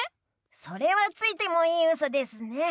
それはついてもいいウソですね！